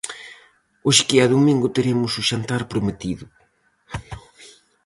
Hoxe que é domingo teremos o xantar prometido.